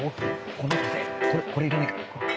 これいらないから。